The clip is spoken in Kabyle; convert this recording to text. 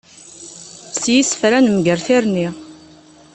S yisefra nemger tirni.